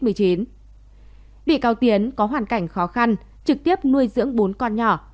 bị cáo tiến có hoàn cảnh khó khăn trực tiếp nuôi dưỡng bốn con nhỏ